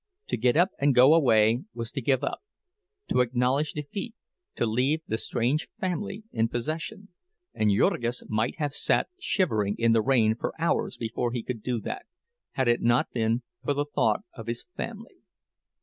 To get up and go away was to give up, to acknowledge defeat, to leave the strange family in possession; and Jurgis might have sat shivering in the rain for hours before he could do that, had it not been for the thought of his family.